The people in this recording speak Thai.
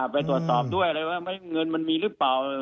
ไปตรวจสอบด้วยอะไรว่าเงินมันมีหรือเปล่า